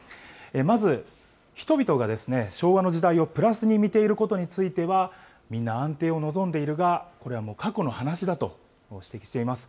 まず、人々が昭和の時代をプラスに見ていることについては、みんな安定を望んでいるが、これはもう過去の話だと指摘しています。